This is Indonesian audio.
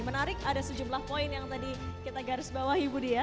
menarik ada sejumlah poin yang tadi kita garis bawah ibu dya